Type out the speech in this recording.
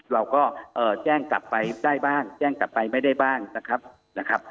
เราก็แจ้งกลับไปได้บ้างแจ้งกลับไปไม่ได้บ้างนะครับ